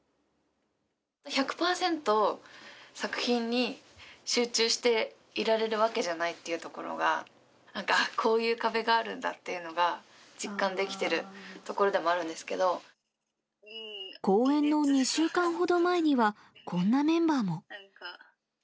１００％、作品に集中していられるわけじゃないっていうところが、なんか、こういう壁があるんだっていうのが実感できてるところでもあるん公演の２週間ほど前には、こんなメンバーも。